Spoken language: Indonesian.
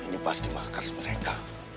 ini pasti makas mereka